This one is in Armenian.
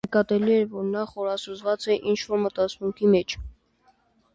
Նկատելի էր, որ նա խորասուզված է ինչ-որ մտածմունքի մեջ: